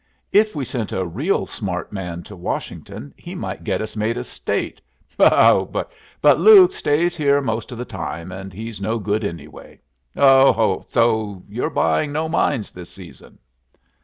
If we sent a real smart man to Washington he might get us made a State. Ho, ho! But Luke stays here most of the time, and he's no good anyway. Oh, ho, ho! So you're buying no mines this season?"